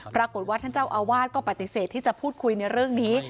ปรากฏว่าท่านเจ้าอาวาสก็ปฏิเสธที่จะพูดคุยในเรื่องนี้